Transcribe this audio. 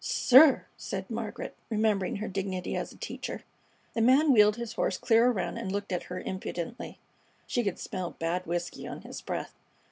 "Sir!" said Margaret, remembering her dignity as a teacher. The man wheeled his horse clear around and looked up at her impudently. She could smell bad whisky on his breath.